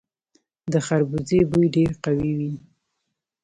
د خربوزې بوی ډیر قوي وي.